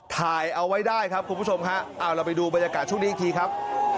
ถ่ายเอาไว้ได้ครับคุณผู้ชมฮะเอาเราไปดูบรรยากาศช่วงนี้อีกทีครับ